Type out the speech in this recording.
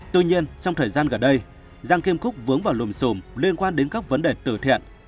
tuy nhiên trong thời gian gần đây giang kim cúc vướng vào lùm xùm liên quan đến các vấn đề tử thiện